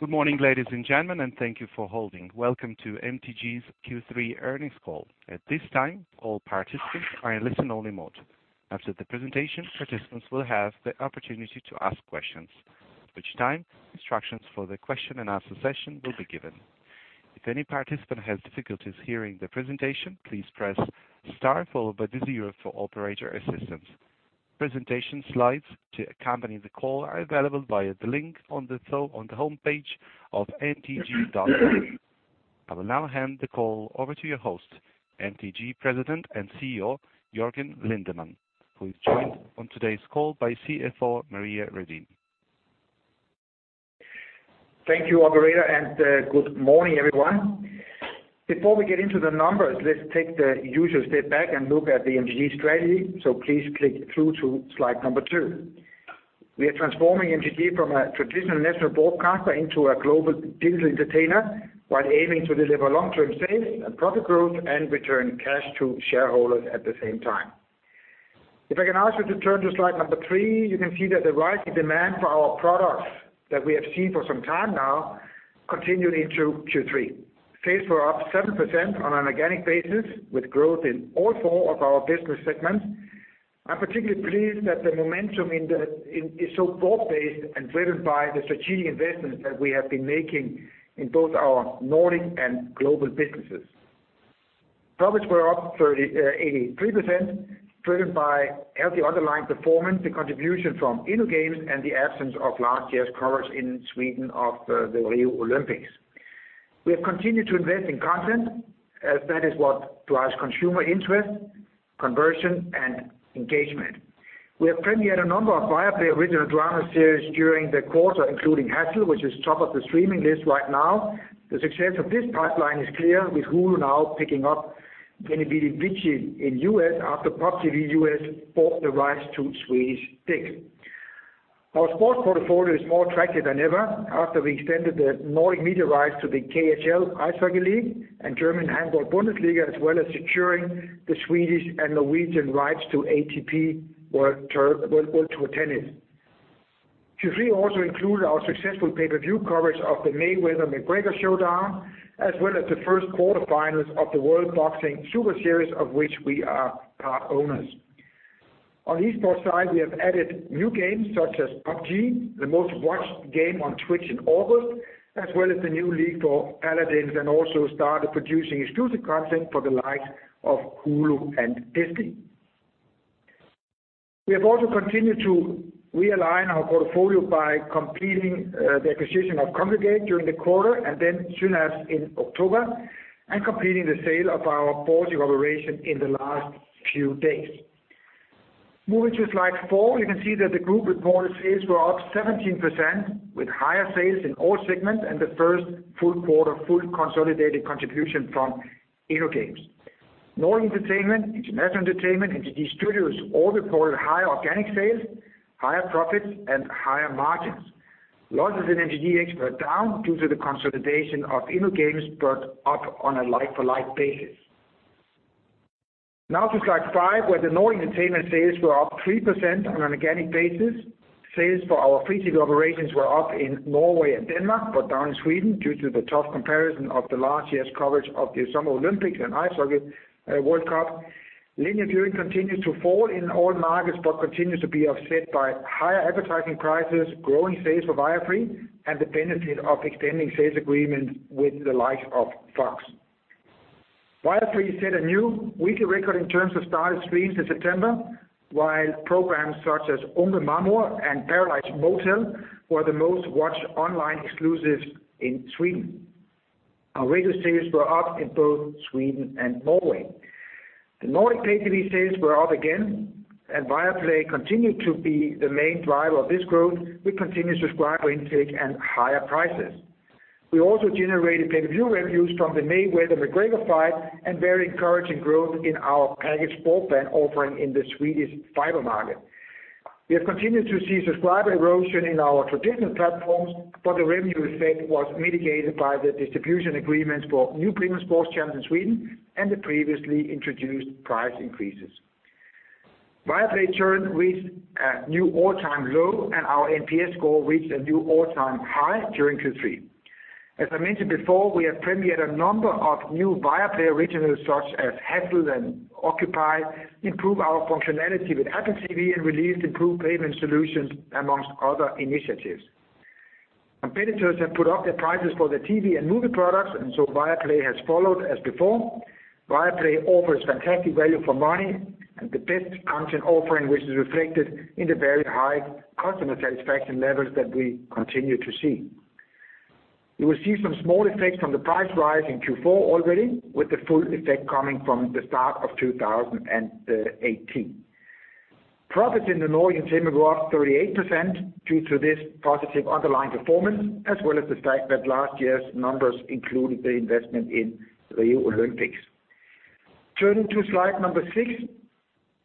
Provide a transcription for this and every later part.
Good morning, ladies and gentlemen, and thank you for holding. Welcome to MTG's Q3 earnings call. At this time, all participants are in listen only mode. After the presentation, participants will have the opportunity to ask questions. At which time, instructions for the question and answer session will be given. If any participant has difficulties hearing the presentation, please press star followed by the zero for operator assistance. Presentation slides to accompany the call are available via the link on the homepage of mtg.com. I will now hand the call over to your host, MTG President and CEO, Jørgen Lindemann, who is joined on today's call by CFO Maria Redin. Thank you, operator. Good morning, everyone. Before we get into the numbers, let's take the usual step back and look at the MTG strategy. Please click through to slide number two. We are transforming MTG from a traditional national broadcaster into a global digital entertainer, while aiming to deliver long-term sales and profit growth, and return cash to shareholders at the same time. If I can ask you to turn to slide number three, you can see that the rising demand for our products that we have seen for some time now continued into Q3. Sales were up 7% on an organic basis with growth in all four of our business segments. I am particularly pleased that the momentum is so broad-based and driven by the strategic investments that we have been making in both our Nordic and global businesses. Profits were up 83%, driven by healthy underlying performance, the contribution from InnoGames, and the absence of last year's coverage in Sweden of the Rio Olympics. We have continued to invest in content, as that is what drives consumer interest, conversion, and engagement. We have premiered a number of Viaplay original drama series during the quarter, including "Hassel," which is top of the streaming list right now. The success of this pipeline is clear with Hulu now picking up "Veni Vidi Vici" in the U.S. after Pop TV U.S. bought the rights to Swedish "Nobel." Our sports portfolio is more attractive than ever after we extended the Nordic media rights to the KHL Ice Hockey League and German Handball-Bundesliga, as well as securing the Swedish and Norwegian rights to ATP World Tour Tennis. Q3 also included our successful pay-per-view coverage of the Mayweather-McGregor showdown, as well as the first quarter finals of the World Boxing Super Series, of which we are part owners. On the esports side, we have added new games such as PUBG, the most watched game on Twitch in August, as well as the new League for Paladins, and also started producing exclusive content for the likes of Hulu and Disney. We have also continued to realign our portfolio by completing the acquisition of Kongregate during the quarter and then Synapse in October, and completing the sale of our Portugal operation in the last few days. Moving to slide four, you can see that the group reported sales were up 17% with higher sales in all segments and the first full quarter full consolidated contribution from InnoGames. Nordic Entertainment, International Entertainment, and MTG Studios all reported higher organic sales, higher profits, and higher margins. Losses in MTGx were down due to the consolidation of InnoGames, but up on a like-for-like basis. To slide five, where the Nordic Entertainment sales were up 3% on an organic basis. Sales for our free TV operations were up in Norway and Denmark, but down in Sweden due to the tough comparison of last year's coverage of the Summer Olympics and World Cup of Hockey. Linear viewing continues to fall in all markets, but continues to be offset by higher advertising prices, growing sales for Viaplay, and the benefit of extending sales agreements with the likes of Fox. Viaplay set a new weekly record in terms of started streams in September, while programs such as "Unga Mammor" and "Paradise Hotel" were the most watched online exclusives in Sweden. Our radio sales were up in both Sweden and Norway. The Nordic pay TV sales were up again, and Viaplay continued to be the main driver of this growth with continued subscriber intake and higher prices. We also generated pay-per-view revenues from the Mayweather-McGregor fight and very encouraging growth in our package sports bundle offering in the Swedish fiber market. We have continued to see subscriber erosion in our traditional platforms, but the revenue effect was mitigated by the distribution agreements for new premium sports channels in Sweden and the previously introduced price increases. Viaplay churn reached a new all-time low, and our NPS score reached a new all-time high during Q3. As I mentioned before, we have premiered a number of new Viaplay originals such as "Hassel" and "Occupied," improved our functionality with Apple TV, and released improved payment solutions, amongst other initiatives. Competitors have put up their prices for their TV and movie products, and Viaplay has followed as before. Viaplay offers fantastic value for money and the best content offering, which is reflected in the very high customer satisfaction levels that we continue to see. You will see some small effects from the price rise in Q4 already, with the full effect coming from the start of 2018. Profits in the Nordic Entertainment go up 38% due to this positive underlying performance, as well as the fact that last year's numbers included the investment in the Rio Olympics. Turning to slide number six,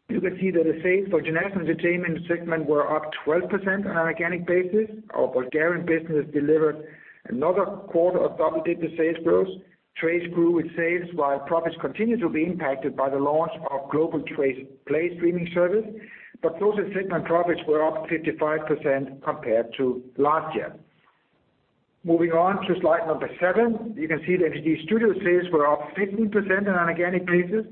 you can see that the sales for International Entertainment segment were up 12% on an organic basis. Our Bulgarian business delivered another quarter of double-digit sales growth. Trace grew with sales while profits continued to be impacted by the launch of global Trace Play streaming service, but closer segment profits were up 55% compared to last year. Moving on to slide number seven. You can see that MTG Studios sales were up 15% on an organic basis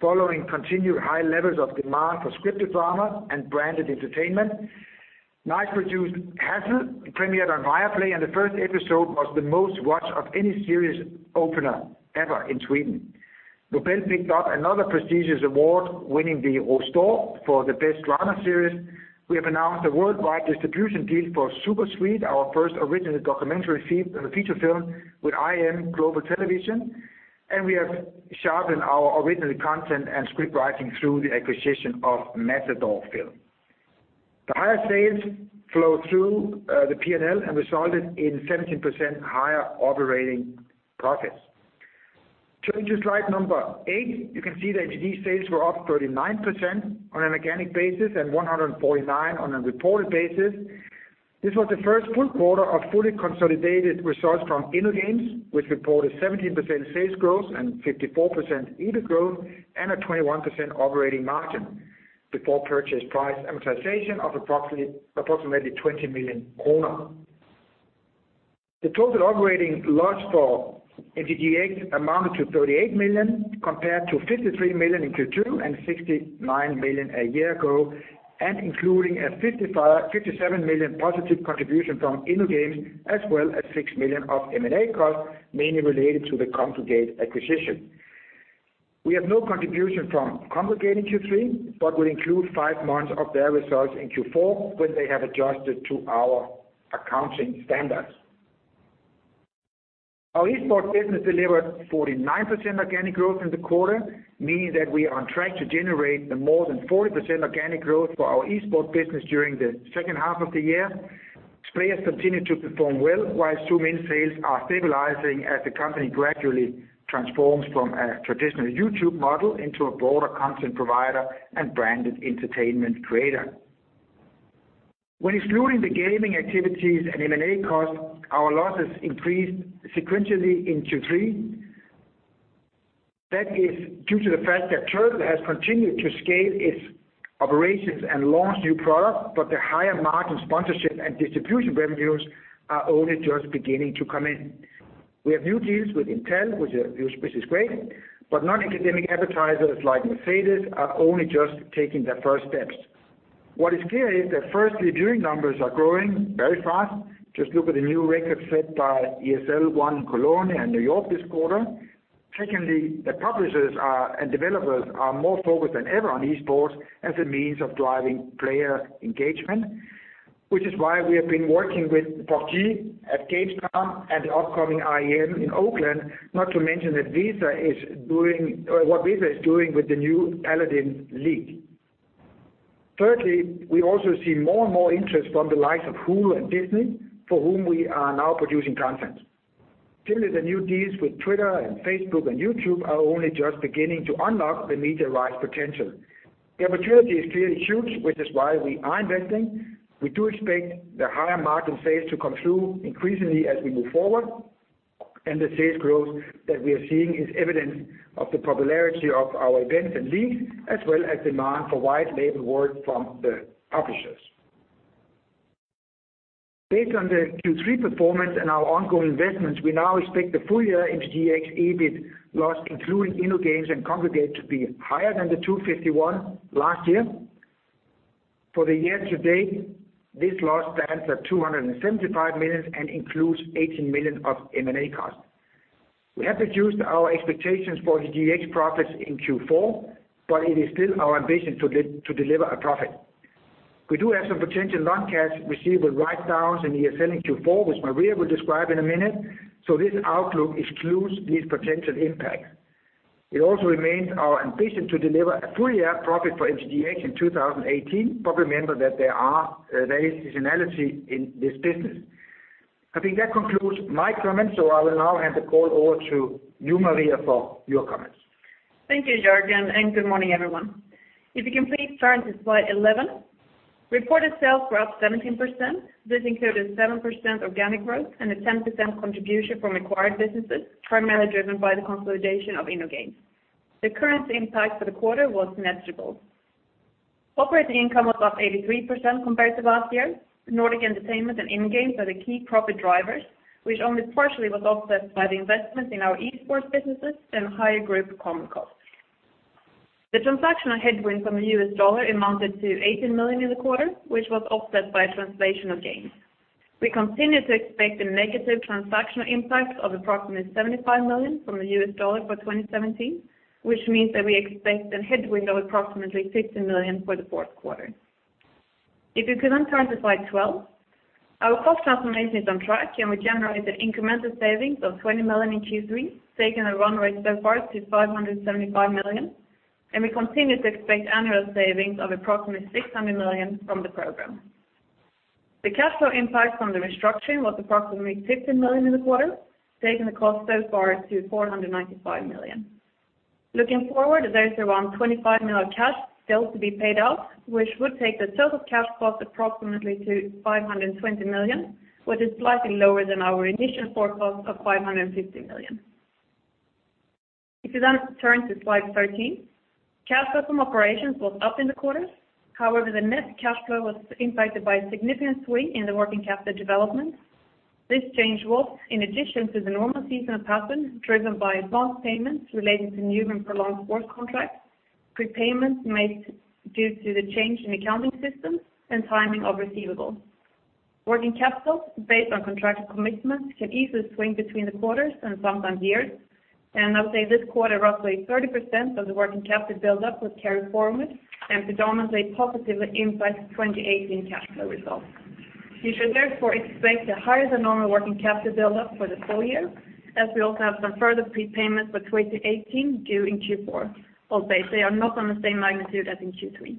following continued high levels of demand for scripted drama and branded entertainment. Nice Drama produced "Hassel." It premiered on Viaplay, and the first episode was the most watched of any series opener ever in Sweden. Nobel picked up another prestigious award, winning the Rose d'Or for the best drama series. We have announced a worldwide distribution deal for Supersonic, our first original documentary feature film with IM Global Television, and we have sharpened our original content and script writing through the acquisition of Matador Film. The higher sales flow through the P&L and resulted in 17% higher operating profits. Turning to slide number eight, you can see that MTGx sales were up 39% on an organic basis and 149% on a reported basis. This was the first full quarter of fully consolidated results from InnoGames, which reported 17% sales growth and 54% EBIT growth and a 21% operating margin before purchase price amortization of approximately 20 million kronor. The total operating loss for MTGx amounted to 38 million, compared to 53 million in Q2 and 69 million a year ago, and including a 57 million positive contribution from InnoGames, as well as 6 million of M&A costs, mainly related to the Kongregate acquisition. We have no contribution from Kongregate in Q3, but will include five months of their results in Q4 when they have adjusted to our accounting standards. Our esports business delivered 49% organic growth in the quarter, meaning that we are on track to generate more than 40% organic growth for our esports business during the second half of the year. Players continue to perform well, while streaming sales are stabilizing as the company gradually transforms from a traditional YouTube model into a broader content provider and branded entertainment creator. When excluding the gaming activities and M&A costs, our losses increased sequentially in Q3. That is due to the fact that Turtle has continued to scale its operations and launch new products, but the higher margin sponsorship and distribution revenues are only just beginning to come in. We have new deals with Intel, which is great, but non-endemic advertisers like Mercedes are only just taking their first steps. What is clear is firstly, viewing numbers are growing very fast. Just look at the new record set by ESL One Cologne and New York this quarter. Secondly, the publishers are, and developers are more focused than ever on esports as a means of driving player engagement, which is why we have been working with PUBG at Gamescom and the upcoming IEM in Oakland. Not to mention what Hi-Rez is doing with the new Paladins League. Thirdly, we also see more and more interest from the likes of Hulu and Disney, for whom we are now producing content. Clearly, the new deals with Twitter and Facebook and YouTube are only just beginning to unlock the media rights potential. The opportunity is clearly huge, which is why we are investing. We do expect the higher margin sales to come through increasingly as we move forward, and the sales growth that we are seeing is evidence of the popularity of our events and leagues, as well as demand for white label work from the publishers. Based on the Q3 performance and our ongoing investments, we now expect the full-year NGGH EBIT loss, including InnoGames and Kongregate, to be higher than the 251 million last year. For the year to date, this loss stands at 275 million and includes 18 million of M&A costs. We have reduced our expectations for NGGH profits in Q4, but it is still our ambition to deliver a profit. We do have some potential non-cash receivable writedowns in ESL in Q4, which Maria will describe in a minute. This outlook excludes these potential impacts. It also remains our ambition to deliver a full-year profit for NGGH in 2018. Remember that there is seasonality in this business. I think that concludes my comments. I will now hand the call over to you, Maria, for your comments. Thank you, Jørgen. Good morning, everyone. If you can please turn to slide 11. Reported sales were up 17%. This included 7% organic growth and a 10% contribution from acquired businesses, primarily driven by the consolidation of InnoGames. The currency impact for the quarter was negligible. Operating income was up 83% compared to last year. Nordic Entertainment and InnoGames are the key profit drivers, which only partially was offset by the investment in our esports businesses and higher group common costs. The transactional headwind from the US dollar amounted to 18 million in the quarter, which was offset by translational gains. We continue to expect a negative transactional impact of approximately 75 million from the US dollar for 2017, which means that we expect a headwind of approximately 15 million for the fourth quarter. If you can turn to slide 12. Our cost transformation is on track. We generated incremental savings of 20 million in Q3, taking our run rate so far to 575 million. We continue to expect annual savings of approximately 600 million from the program. The cash flow impact from the restructuring was approximately 15 million in the quarter, taking the cost so far to 495 million. Looking forward, there is around 25 million of cash still to be paid out, which would take the total cash cost approximately to 520 million, which is slightly lower than our initial forecast of 550 million. If you turn to slide 13. This change was, in addition to the normal seasonal pattern driven by advanced payments relating to new and prolonged sports contracts, prepayments made due to the change in accounting systems and timing of receivables. Working capital based on contracted commitments can easily swing between the quarters and sometimes years. I'll say this quarter, roughly 30% of the working capital buildup was carried forward and predominantly positively impacts 2018 cash flow results. You should therefore expect a higher-than-normal working capital buildup for the full year, as we also have some further prepayments for 2018 due in Q4, albeit they are not on the same magnitude as in Q3.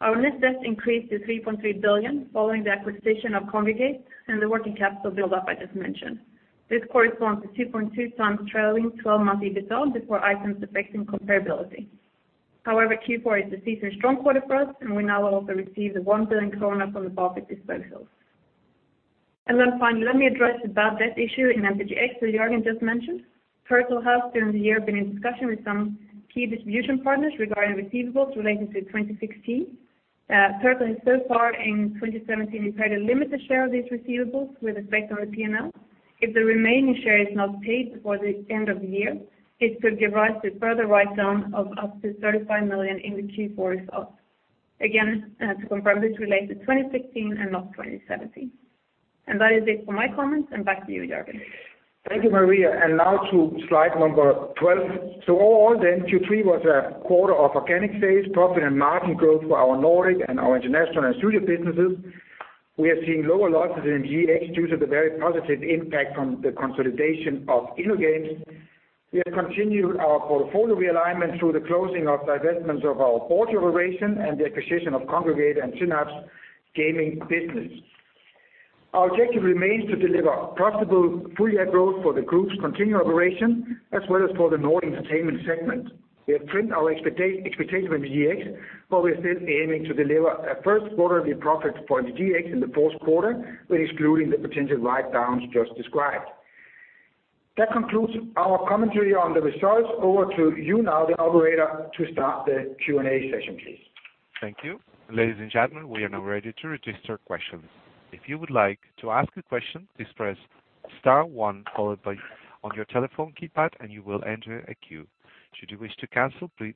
Our net debt increased to 3.3 billion, following the acquisition of Kongregate and the working capital buildup I just mentioned. This corresponds to 2.2 times trailing 12-month EBITDA before items affecting comparability. Q4 is a seasonably strong quarter for us, and we now will also receive the 1 billion kronor from the Baltics disposals. Finally, let me address the bad debt issue in MTGx that Jørgen just mentioned. ESL has, during the year, been in discussion with some key distribution partners regarding receivables relating to 2016. ESL has so far in 2017 tried to limit the share of these receivables with respect to our P&L. If the remaining share is not paid before the end of the year, it could give rise to a further write-down of up to 35 million in the Q4 results. Again, to confirm, this relates to 2016 and not 2017. That is it for my comments, and back to you, Jørgen. Thank you, Maria. Now to slide number 12. All in all, Q3 was a quarter of organic sales, profit, and margin growth for our Nordic and our international and studio businesses. We are seeing lower losses in MTGx due to the very positive impact from the consolidation of InnoGames. We have continued our portfolio realignment through the closing of divestments of our Portugal operation and the acquisition of Kongregate and Synapse Games business. Our objective remains to deliver profitable full-year growth for the group's continuing operation, as well as for the Nordic Entertainment segment. We have trimmed our expectation of MTGx, we are still aiming to deliver a first quarterly profit for MTGx in the fourth quarter, when excluding the potential write-downs just described. That concludes our commentary on the results. Over to you now, the operator, to start the Q&A session, please. Thank you. Ladies and gentlemen, we are now ready to register questions. If you would like to ask a question, please press star one on your telephone keypad, you will enter a queue. Should you wish to cancel, please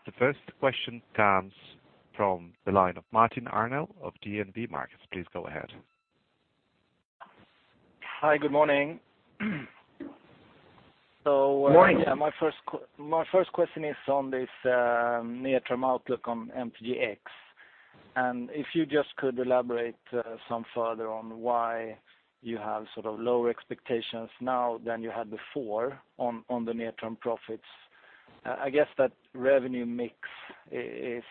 press star two. The first question comes from the line of Martin Arnell of DNB Markets. Please go ahead. Hi. Good morning. Morning. My first question is on this near-term outlook on MTGx. If you just could elaborate some further on why you have sort of lower expectations now than you had before on the near-term profits. I guess that revenue mix is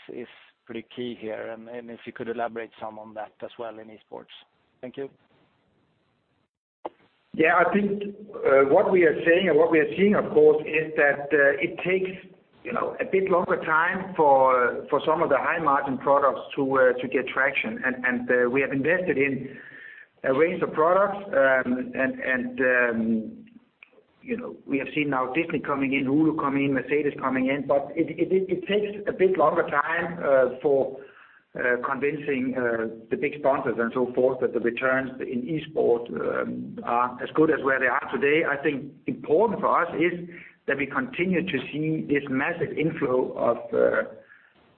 pretty key here. If you could elaborate some on that as well in esports. Thank you. Yeah, I think what we are saying and what we are seeing, of course, is that it takes a bit longer time for some of the high-margin products to get traction. We have invested in a range of products, and we have seen now Disney coming in, Hulu coming in, Mercedes coming in, but it takes a bit longer time for convincing the big sponsors and so forth that the returns in esports are as good as where they are today. I think important for us is that we continue to see this massive inflow of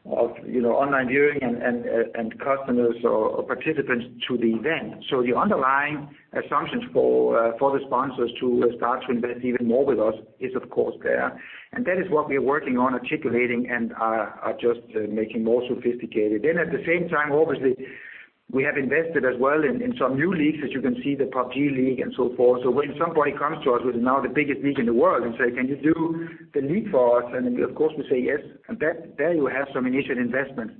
online viewing and customers or participants to the event. The underlying assumptions for the sponsors to start to invest even more with us is, of course, there, and that is what we are working on articulating and are just making more sophisticated. At the same time, obviously, we have invested as well in some new leagues. As you can see, the PUBG league and so forth. When somebody comes to us with now the biggest league in the world and say, "Can you do the league for us?" Of course, we say yes, and there you have some initial investments.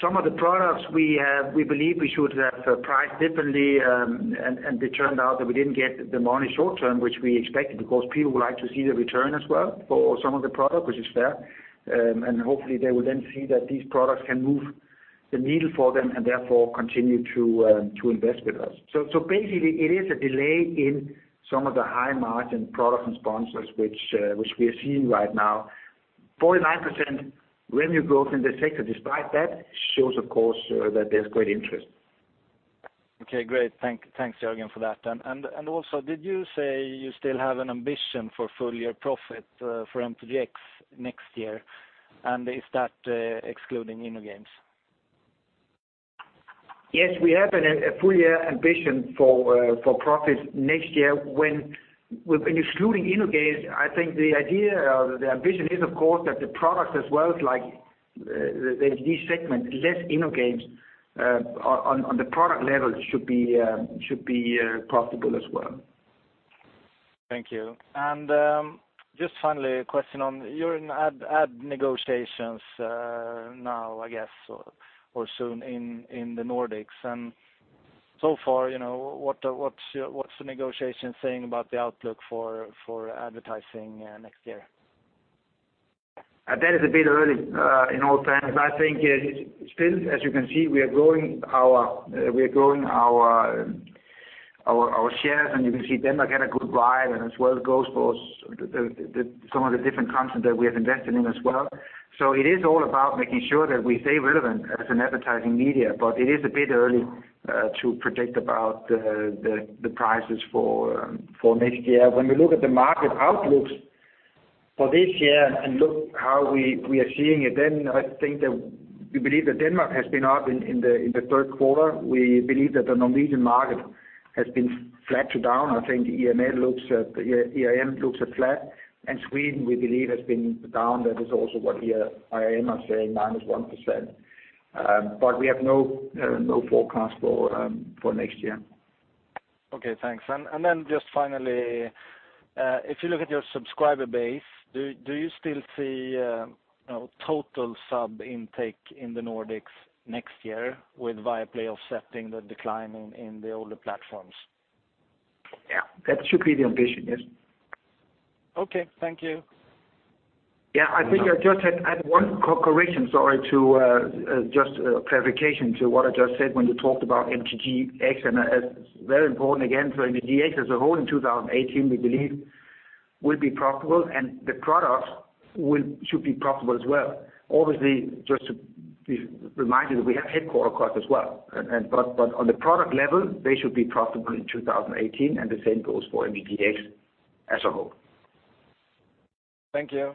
Some of the products we believe we should have priced differently, and it turned out that we didn't get the money short term, which we expected because people would like to see the return as well for some of the product, which is fair. Hopefully they will then see that these products can move the needle for them and therefore continue to invest with us. Basically, it is a delay in some of the high-margin products and sponsors, which we are seeing right now. 49% revenue growth in the sector despite that shows, of course, that there's great interest. Okay, great. Thanks, Jørgen, for that. Also, did you say you still have an ambition for full-year profit for MTGx next year? Is that excluding InnoGames? Yes, we have a full-year ambition for profit next year when excluding InnoGames. I think the idea or the ambition is, of course, that the products as well, like the MT segment, less InnoGames on the product level should be profitable as well. Thank you. Just finally, a question on you're in ad negotiations now, I guess, or soon in the Nordics. So far, what's the negotiation saying about the outlook for advertising next year? That is a bit early in all plans. I think still, as you can see, we are growing our shares, you can see Denmark had a good ride and as well it goes for some of the different content that we have invested in as well. It is all about making sure that we stay relevant as an advertising media, it is a bit early to predict about the prices for next year. When we look at the market outlook for this year and look how we are seeing it, I think that we believe that Denmark has been up in the third quarter. We believe that the Norwegian market has been flat to down. I think IRM looks at flat. Sweden, we believe, has been down. That is also what here IRM are saying, -1%. We have no forecast for next year. Okay, thanks. Then just finally, if you look at your subscriber base, do you still see total sub intake in the Nordics next year with Viaplay offsetting the decline in the older platforms? Yeah, that should be the ambition. Yes. Okay. Thank you. Yeah. I think I just had one correction, sorry, just clarification to what I just said when you talked about MTGx. It's very important, again, MTG as a whole in 2018, we believe, will be profitable, and the products should be profitable as well. Obviously, just to remind you that we have headquarter costs as well. On the product level, they should be profitable in 2018, and the same goes for MTGx as a whole. Thank you.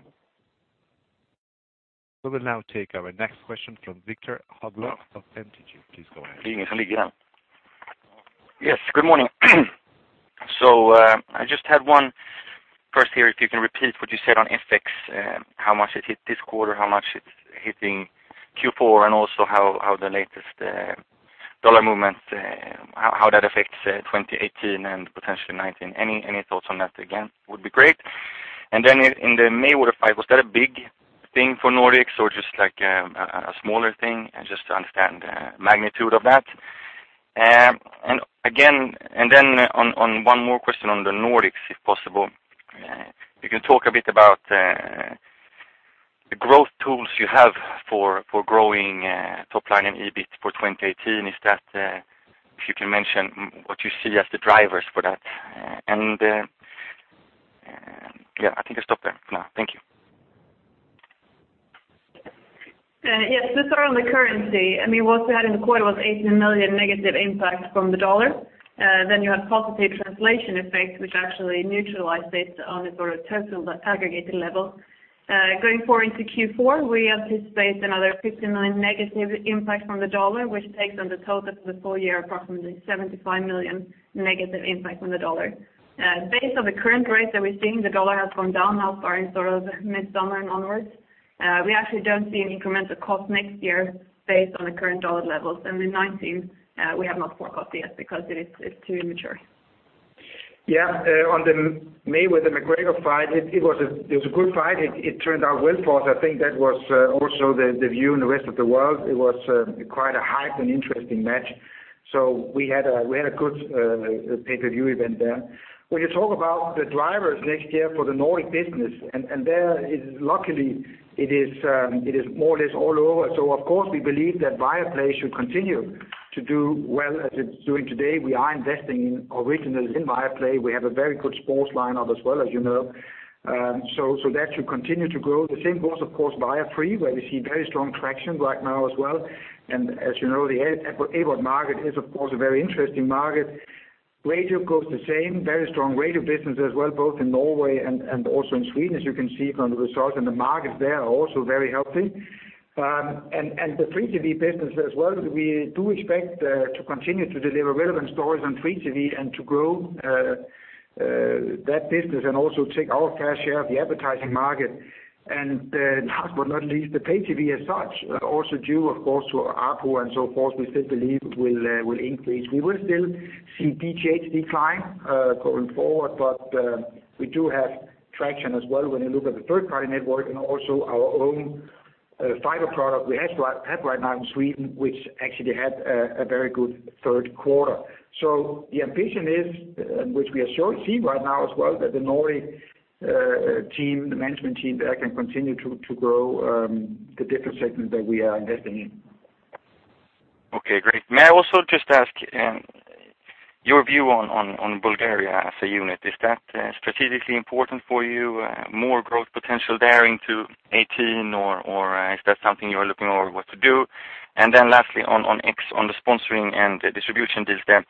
We will now take our next question from Viktor Haglöf of SEB. Please go ahead. Yes, good morning. I just had one. First here, if you can repeat what you said on FX, how much it hit this quarter, how much it's hitting Q4, and also how the latest U.S. dollar movement, how that affects 2018 and potentially 2019. Any thoughts on that, again, would be great. In the Mayweather fight, was that a big thing for Nordics or just like a smaller thing? Just to understand the magnitude of that. On one more question on the Nordics, if possible. If you can talk a bit about the growth tools you have for growing top line and EBIT for 2018. If you can mention what you see as the drivers for that. Yeah, I think I stop there for now. Thank you. Yes. Just on the currency. What we had in the quarter was 18 million negative impact from the U.S. dollar. You had positive translation effects, which actually neutralized this on a total aggregated level. Going forward into Q4, we anticipate another 59 million negative impact from the U.S. dollar, which takes on the total for the full year, approximately 75 million negative impact from the U.S. dollar. Based on the current rates that we're seeing, the U.S. dollar has gone down now far in mid-summer and onwards. We actually don't see an incremental cost next year based on the current U.S. dollar levels. In 2019, we have not forecast yet because it's too immature. Yeah. On the Mayweather-McGregor fight, it was a good fight. It turned out well for us. I think that was also the view in the rest of the world. It was quite a hype and interesting match. We had a good pay-per-view event there. When you talk about the drivers next year for the Nordic business, there luckily it is more or less all over. Of course, we believe that Viaplay should continue to do well as it's doing today. We are investing in originals in Viaplay. We have a very good sports lineup as well, as you know. That should continue to grow. The same goes, of course, Viafree, where we see very strong traction right now as well. As you know, the ad market is, of course, a very interesting market. Radio goes the same, very strong radio business as well, both in Norway and also in Sweden, as you can see from the results. The markets there are also very healthy. The free TV business as well, we do expect to continue to deliver relevant stories on free TV and to grow that business and also take our fair share of the advertising market. Last but not least, the pay TV as such, also due, of course, to ARPU and so forth, we still believe will increase. We will still see DTH decline, going forward, but we do have traction as well when you look at the third-party network and also our own fiber product we have right now in Sweden, which actually had a very good third quarter. The ambition is, which we are seeing right now as well, that the Nordic team, the management team there can continue to grow the different segments that we are investing in. Okay, great. May I also just ask your view on Bulgaria as a unit. Is that strategically important for you? More growth potential there into 2018, or is that something you're looking over what to do? Lastly, on the sponsoring and the distribution deals there,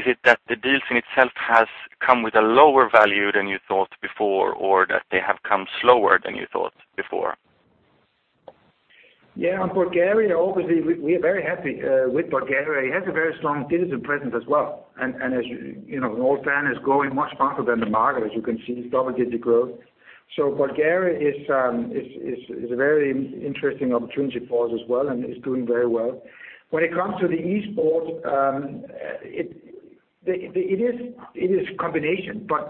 is it that the deals in itself has come with a lower value than you thought before or that they have come slower than you thought before? Yeah. On Bulgaria, obviously, we are very happy with Bulgaria. It has a very strong digital presence as well. As you know, our plan is growing much faster than the market as you can see, double-digit growth. Bulgaria is a very interesting opportunity for us as well and is doing very well. When it comes to the Esports, it is a combination, but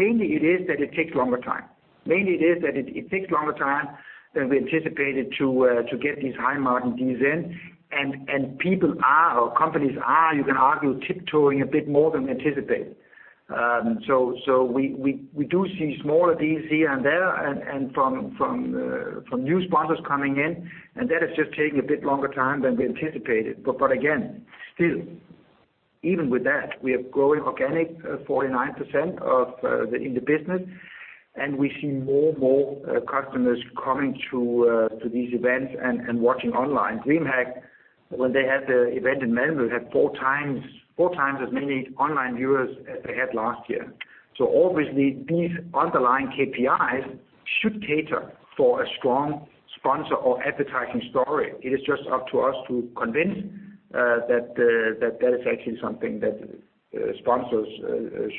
mainly it is that it takes longer time than we anticipated to get these high-margin deals in, and people are, or companies are, you can argue, tiptoeing a bit more than anticipated. We do see smaller deals here and there and from new sponsors coming in, and that has just taken a bit longer time than we anticipated. But again, still, even with that, we are growing organic 49% in the business, and we see more customers coming to these events and watching online. DreamHack, when they had the event in Melbourne, had four times as many online viewers as they had last year. Obviously these underlying KPIs should cater for a strong sponsor or advertising story. It is just up to us to convince that is actually something that sponsors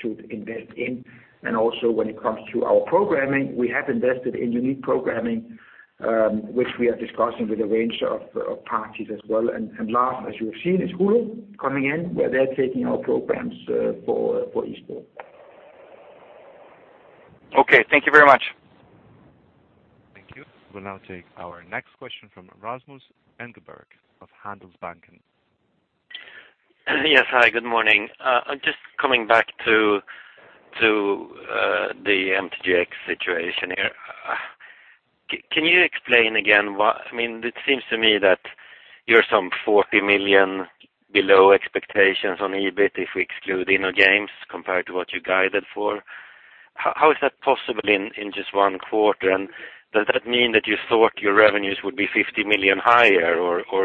should invest in. Also when it comes to our programming, we have invested in unique programming, which we are discussing with a range of parties as well. Last, as you have seen, is Hulu coming in, where they're taking our programs for Esports. Okay, thank you very much. Thank you. We'll now take our next question from Rasmus Engberg of Handelsbanken. Yes. Hi, good morning. Just coming back to the MTGx situation here. Can you explain again, it seems to me that you're some 40 million below expectations on EBIT if we exclude InnoGames compared to what you guided for. How is that possible in just one quarter? Does that mean that you thought your revenues would be 50 million higher?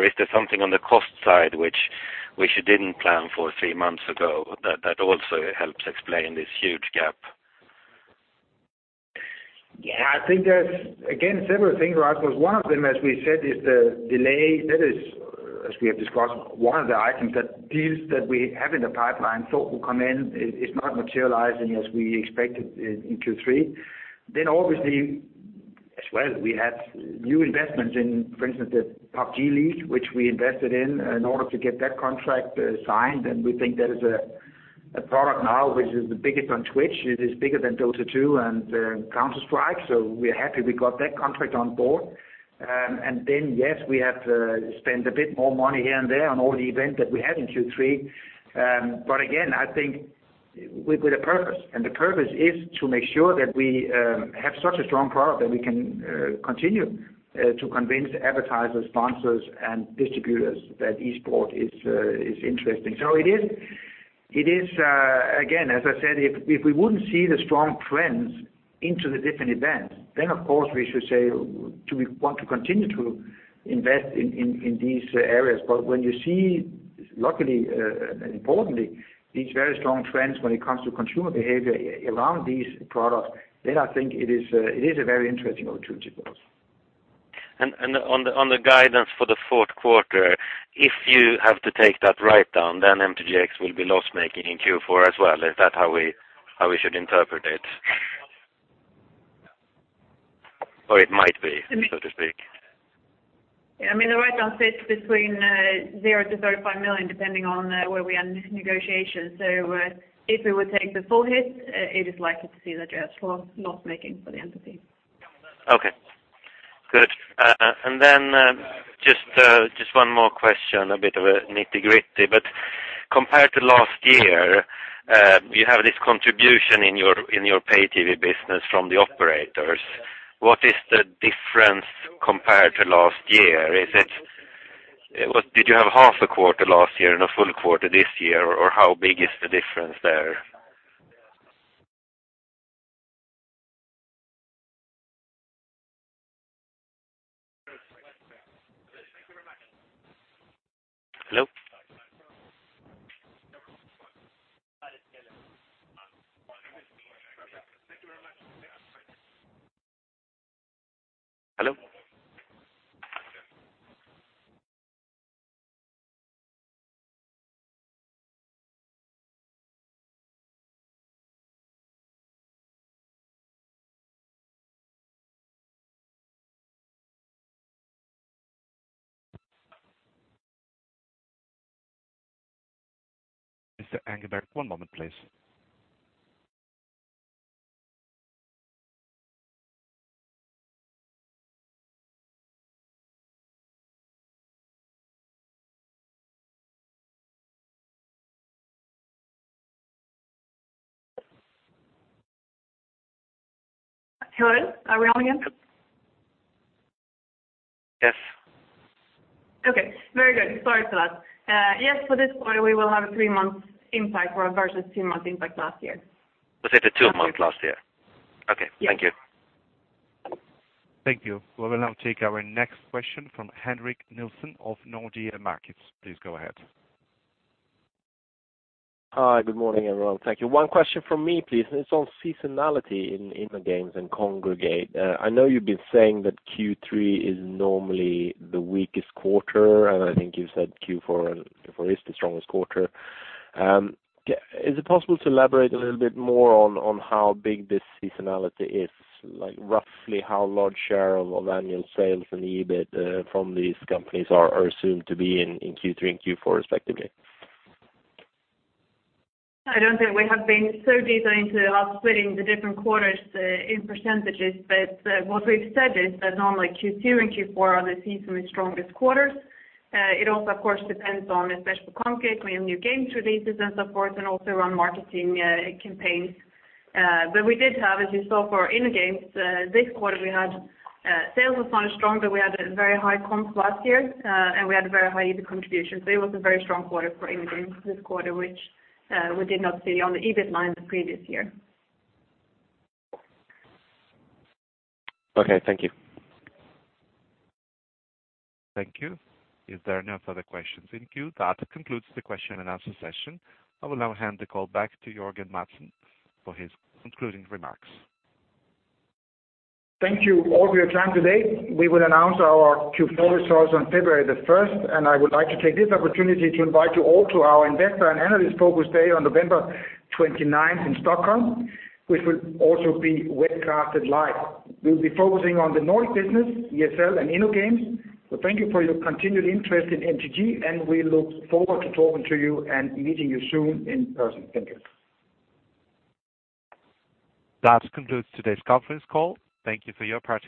Is there something on the cost side, which you didn't plan for three months ago, that also helps explain this huge gap? Yeah, I think there's, again, several things, Rasmus. One of them, as we said, is the delay. That is, as we have discussed, one of the items that deals that we have in the pipeline thought would come in, it's not materializing as we expected in Q3. Obviously, as well, we had new investments in, for instance, the PUBG League, which we invested in order to get that contract signed. We think that is a product now which is the biggest on Twitch. It is bigger than Dota 2 and Counter-Strike. We're happy we got that contract on board. Then, yes, we have to spend a bit more money here and there on all the events that we had in Q3. Again, I think with a purpose. The purpose is to make sure that we have such a strong product that we can continue to convince advertisers, sponsors, and distributors that Esports is interesting. It is, again, as I said, if we wouldn't see the strong trends into the different events, then of course we should say, do we want to continue to invest in these areas? When you see, luckily, importantly, these very strong trends when it comes to consumer behavior around these products, then I think it is a very interesting opportunity for us. On the guidance for the fourth quarter, if you have to take that write-down, then MTGx will be loss-making in Q4 as well. Is that how we should interpret it? It might be, so to speak. Yeah, the write-down sits between 0-35 million, depending on where we are in this negotiation. If we would take the full hit, it is likely to see that yes, loss-making for the entity. Okay, good. Just one more question, a bit of a nitty-gritty, but compared to last year, you have this contribution in your pay TV business from the operators. What is the difference compared to last year? Did you have half a quarter last year and a full quarter this year, or how big is the difference there? Hello? Mr. Engberg, one moment, please. Hello? Are we on again? Yes. Okay, very good. Sorry for that. Yes, for this quarter, we will have a three-month impact versus two-month impact last year. Was it a two-month last year? Yes. Okay, thank you. Thank you. We will now take our next question from Henrik Nilsson of Nordea Markets. Please go ahead. Hi. Good morning, everyone. Thank you. One question from me, please. It's on seasonality in InnoGames and Kongregate. I know you've been saying that Q3 is normally the weakest quarter, and I think you've said Q4 is the strongest quarter. Is it possible to elaborate a little bit more on how big this seasonality is? Roughly how large share of annual sales and EBIT from these companies are assumed to be in Q3 and Q4 respectively? I don't think we have been so detailed into splitting the different quarters in percentages. What we've said is that normally Q2 and Q4 are the seasonally strongest quarters. It also, of course, depends on, especially for Kongregate, we have new game releases and so forth, and also around marketing campaigns. We did have, as you saw for InnoGames, this quarter we had sales was not as strong, but we had a very high comps last year, and we had a very high EBIT contribution. It was a very strong quarter for InnoGames this quarter, which we did not see on the EBIT line the previous year. Okay, thank you. Thank you. If there are no further questions in queue, that concludes the question and answer session. I will now hand the call back to Jørgen Madsen for his concluding remarks. Thank you all for your time today. We will announce our Q4 results on February the 1st, I would like to take this opportunity to invite you all to our Investor and Analyst Focus Day on November 29th in Stockholm, which will also be webcasted live. We'll be focusing on the Nordic business, ESL, and InnoGames. Thank you for your continued interest in MTG, and we look forward to talking to you and meeting you soon in person. Thank you. That concludes today's conference call. Thank you for your participation.